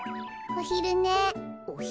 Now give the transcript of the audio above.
おひるね？